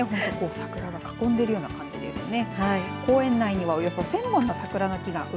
桜が囲んでるような感じですね。